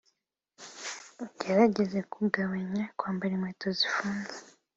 ugerageza kugabanya kwambara inkweto zifunze